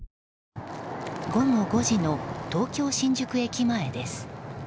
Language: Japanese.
午後５時の東京・新宿駅前です。